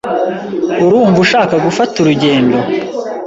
Urumva ushaka gufata urugendo?